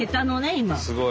今。